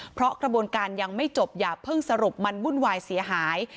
เพราะกระบวนการยังไม่จบอย่าเพิ่งสรุปมันวุ่นวายเสียหาย